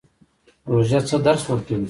روژه څه درس ورکوي؟